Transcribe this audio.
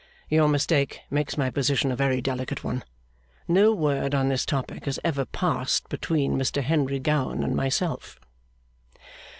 Your mistake makes my position a very delicate one. No word on this topic has ever passed between Mr Henry Gowan and myself.